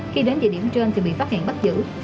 khi đến địa điểm trên thì bị phát hiện bắt giữ